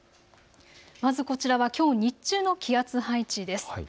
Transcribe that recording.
まずこちらはきょう日中の気圧配置です。